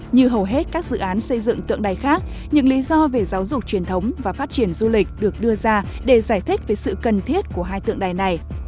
như hầu hết các dự án xây dựng tượng đài khác những lý do về giáo dục truyền thống và phát triển du lịch được đưa ra để giải thích về sự cần thiết của hai tượng đài này